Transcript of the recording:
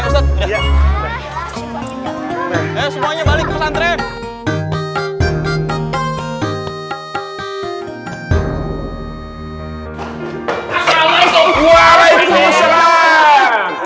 semuanya balik pesan drep